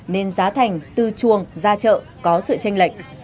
nên giá thành từ chuồng ra chợ có sự tranh lệch